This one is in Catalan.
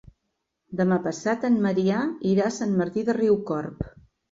Demà passat en Maria irà a Sant Martí de Riucorb.